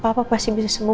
papa pasti bisa sembuh